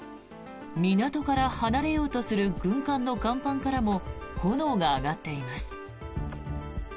港から離れようとする軍艦の甲板からも炎が上がっています。